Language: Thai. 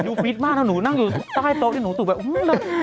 อุ๋ยดูฟิตมากนะหนูนั่งอยู่ใต้โต๊ะเดี๋ยวหนูถูกแบบอื้อหือหือ